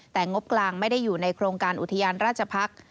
แต่งบกลางไม่ได้อยู่ในโครงการอุทยานราชพักษ์